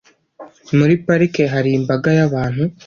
Muri parike hari imbaga y'abantu.